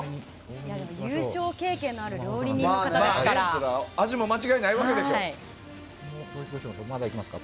優勝経験のある料理人の方ですから。